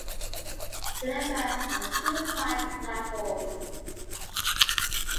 Ginifer has two side platforms.